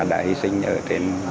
đã hy sinh ở trên